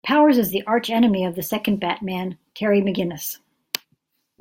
Powers is the archenemy of the second Batman, Terry McGinnis.